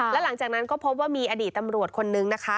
แล้วหลังจากนั้นก็พบว่ามีอดีตตำรวจคนนึงนะคะ